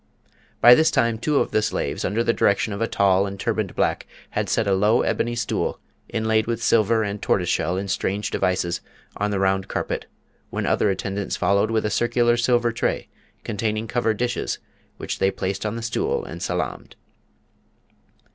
By this time two of the slaves, under the direction of a tall and turbaned black, had set a low ebony stool, inlaid with silver and tortoiseshell in strange devices, on the round carpet, when other attendants followed with a circular silver tray containing covered dishes, which they placed on the stool and salaamed.